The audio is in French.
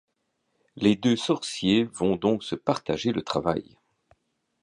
Les deux sorciers vont donc se partager le travail.